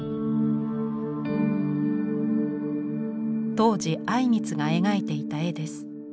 当時靉光が描いていた絵です。